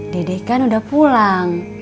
dede kan udah pulang